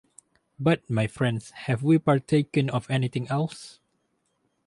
But, my friends, have we partaken of anything else?